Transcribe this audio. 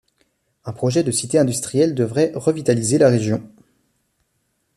Un projet de Cité Industrielle devrait revitaliser la région.